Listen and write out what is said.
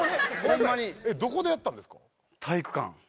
どこでやったんですか？